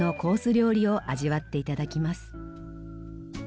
料理を味わって頂きます。